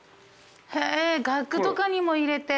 へぇ額とかにも入れて。